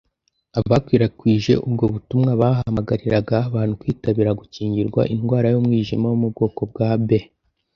Abakwirakwije ubwo butumwa bahamagariraga abantu kwitabira gukingirwa indwara y’umwijima wo mu bwoko bwa B